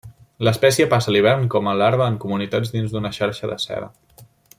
L'espècie passa l'hivern com a larva en comunitat dins d'una xarxa de seda.